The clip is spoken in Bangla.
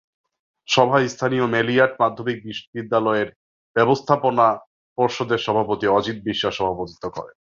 সভায় স্থানীয় মালিয়াট মাধ্যমিক বিদ্যালয়ের ব্যবস্থাপনা পর্ষদের সভাপতি অজিত বিশ্বাস সভাপতিত্ব করেন।